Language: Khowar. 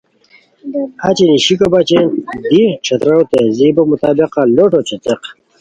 اچی نیشیکو بچین دی ݯھترارو تہذیبو مطابقہ لوٹ اوچے څیق